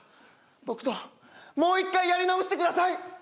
僕ともう一回やり直してください！